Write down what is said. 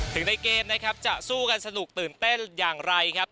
ในเกมนะครับจะสู้กันสนุกตื่นเต้นอย่างไรครับ